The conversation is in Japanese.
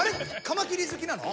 カマキリずきなの？